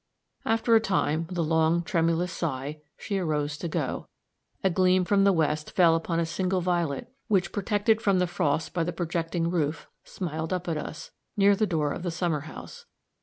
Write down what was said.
After a time, with a long, tremulous sigh, she arose to go. A gleam from the west fell upon a single violet which, protected from the frost by the projecting roof, smiled up at us, near the door of the summer house.